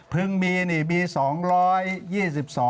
พึงมีมี๒๒๒๐๕